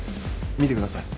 見てください。